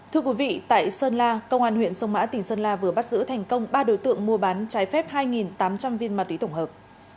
thưa quý vị tại sơn la công an huyện sông mã tỉnh sơn la vừa bắt giữ thành công ba đối tượng mua bán trái phép hai tám trăm linh viên ma túy tổng hợp